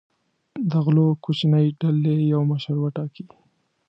د غلو کوچنۍ ډلې یو مشر وټاکي.